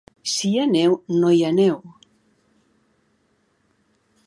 Si hi ha neu, no hi aneu.